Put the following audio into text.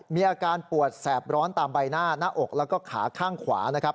มีอาการปวดแสบร้อนตามใบหน้าหน้าอกแล้วก็ขาข้างขวานะครับ